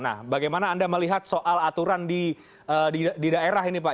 nah bagaimana anda melihat soal aturan di daerah ini pak